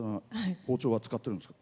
包丁は使ってるんですか？